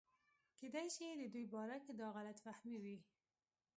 کېدے شي دَدوي باره کښې دا غلط فهمي وي